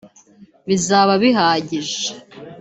bizaba bihagije